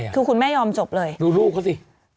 คือคุณแม่ยอมจบเลยดูลูกเขาสิ